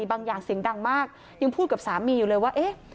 บางอย่างเสียงดังมากยังพูดกับสามีอยู่เลยว่าเอ๊ะ